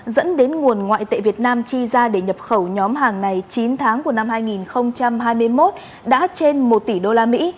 dẫn đến nguồn ngoại tệ việt nam chi ra để nhập khẩu nhóm hàng này chín tháng của năm hai nghìn hai mươi một đã trên một tỷ đô la mỹ